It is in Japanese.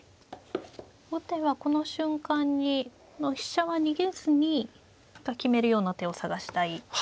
後手はこの瞬間に飛車は逃げずに決めるような手を探したい。